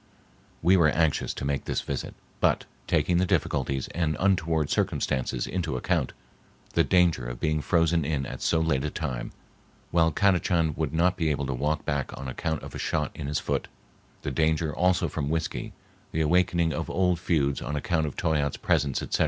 We were anxious to make this visit, but, taking the difficulties and untoward circumstances into account, the danger of being frozen in at so late a time, while Kadachan would not be able to walk back on account of a shot in his foot, the danger also from whiskey, the awakening of old feuds on account of Toyatte's presence, etc.